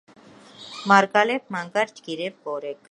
მარგალეფ მანგარ ჯგირებ ვორეთ